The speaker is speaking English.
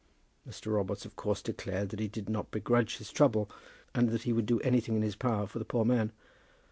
Mr. Robarts of course declared that he did not begrudge his trouble, and that he would do anything in his power for the poor man.